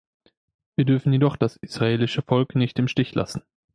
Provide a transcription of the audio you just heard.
Wir dürfen jedoch das israelische Volk nicht im Stich lassen.